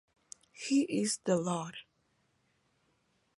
He is the Lord.